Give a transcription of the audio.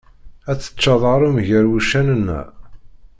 Ad teččeḍ aɣrum ger wuccanen-a?